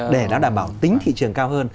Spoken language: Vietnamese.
để nó đảm bảo tính thị trường cao hơn